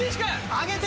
上げて！